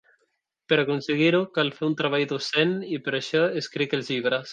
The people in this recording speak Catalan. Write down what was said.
Per aconseguir-ho, cal fer un treball docent, i per això escric els llibres.